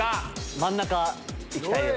真ん中いきたいです。